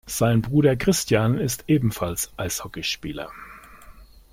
Sein Bruder Christian ist ebenfalls Eishockeyspieler.